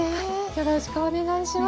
よろしくお願いします。